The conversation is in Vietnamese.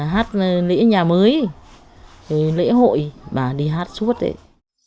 hát lễ nhà mới lễ hội bà đi hát xuống